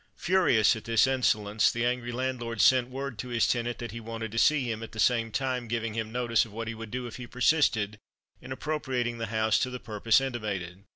Furious at this insolence, the angry landlord sent word to his tenant that he wanted to see him, at the same time giving him notice of what he would do if he persisted in appropriating the house to the purpose intimated.